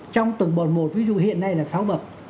trong tầng bộ một ví dụ hiện nay là sáu bậc